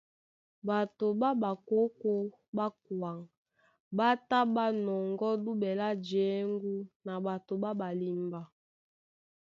Ɓato ɓá ɓakókō ɓá kwaŋ ɓá tá ɓá nɔŋgɔ́ duɓɛ lá jěŋgú na ɓato ɓá ɓalimba.